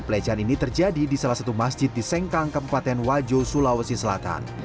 pelecehan ini terjadi di salah satu masjid di sengkang kabupaten wajo sulawesi selatan